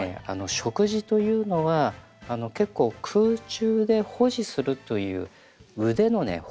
あの食事というのは結構空中で保持するという腕のね